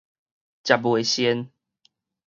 食袂倦